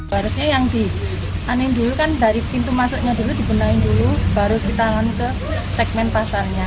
barisnya yang dihanyin dulu kan dari pintu masuknya dulu dibunuhin dulu baru ditangani ke segmen pasarnya